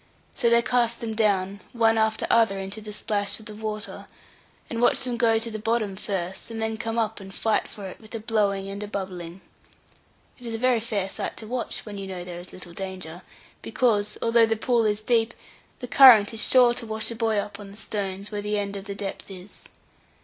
So they cast them down, one after other into the splash of the water, and watch them go to the bottom first, and then come up and fight for it, with a blowing and a bubbling. It is a very fair sight to watch when you know there is little danger, because, although the pool is deep, the current is sure to wash a boy up on the stones, where the end of the depth is.